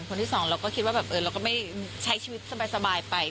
คนที่สองเราก็คิดว่าแบบเราก็ไม่ใช้ชีวิตสบายไป